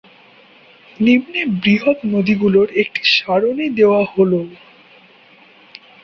নিম্নে বৃহৎ নদীগুলোর একটি সারণি দেয়া হলও।